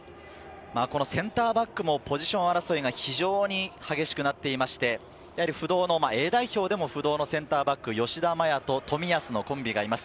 このセンターバックもポジション争いが非常に激しくなっていまして、Ａ代表でも不動のセンターバック、吉田と冨安のコンビがいます。